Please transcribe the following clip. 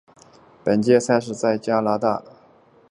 本届赛事在加拿大温哥华举行。